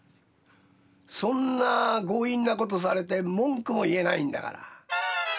そんな強引なことされて文句も言えないんだから。